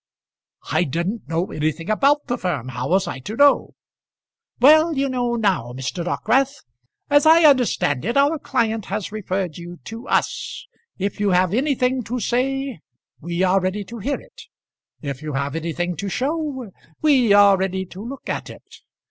"I didn't know anything about the firm; how was I to know?" "Well! you know now, Mr. Dockwrath. As I understand it, our client has referred you to us. If you have anything to say, we are ready to hear it. If you have anything to show, we are ready to look at it.